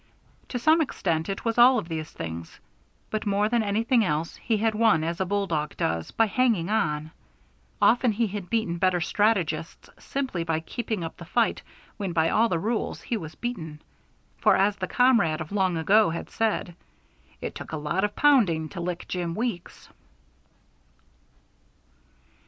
To some extent it was all of these things; but more than anything else he had won as a bulldog does, by hanging on. Often he had beaten better strategists simply by keeping up the fight when by all the rules he was beaten. For as the comrade of long ago had said, "it took a lot of pounding to lick Jim Weeks."